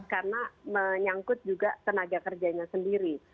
karena menyangkut juga tenaga kerjanya sendiri